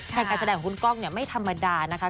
การแสดงของคุณกล้องเนี่ยไม่ธรรมดานะคะ